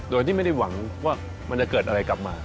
โดยที่ไม่ได้หวังว่ามันจะเกิดอะไรกลับมา